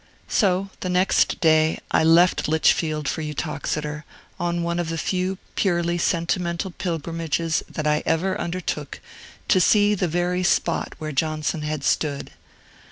So, the next day, I left Lichfield for Uttoxeter, on one of the few purely sentimental pilgrimages that I ever undertook, to see the very spot where Johnson had stood.